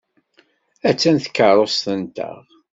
Attan tkeṛṛust-nteɣ.